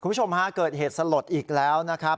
คุณผู้ชมฮะเกิดเหตุสลดอีกแล้วนะครับ